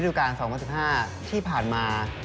ก็คือคุณอันนบสิงต์โตทองนะครับ